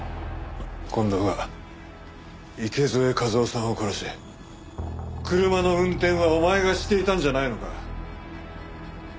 近藤が池添一雄さんを殺し車の運転はお前がしていたんじゃないのか？